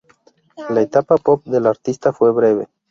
La etapa pop del artista fue breve.